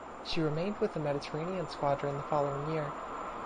She remained with the Mediterranean Squadron the following year.